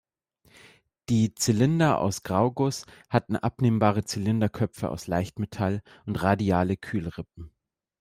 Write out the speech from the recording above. Die Zylinder aus Grauguss hatten abnehmbare Zylinderköpfe aus Leichtmetall und radiale Kühlrippen.